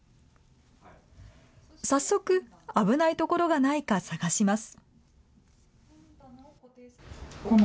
早速、危ない所がないか探します。